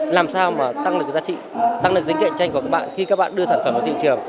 làm sao mà tăng được giá trị tăng được tính cạnh tranh của các bạn khi các bạn đưa sản phẩm vào thị trường